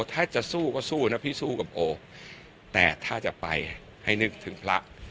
ถ้าจะสู้ก็สู้นะพี่สู้กับโอแต่ถ้าจะไปให้นึกถึงพระ